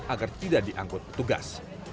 agar tidak diangkut petugas